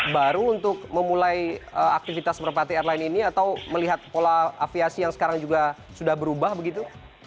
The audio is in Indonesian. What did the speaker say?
baru untuk memulai aktivitas merpati airline ini atau melihat pola aviasi yang sekarang juga sudah berubah begitu